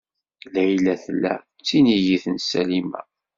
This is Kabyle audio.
Layla tella d tinigit n Salima.